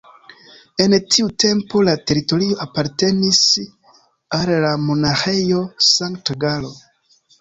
En tiu tempo la teritorio apartenis al la Monaĥejo Sankt-Galo.